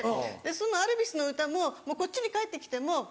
そのアルビスの歌もこっちに帰って来ても